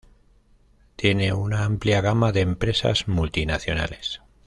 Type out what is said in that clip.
Tiene una amplia gama de empresas multinacionales.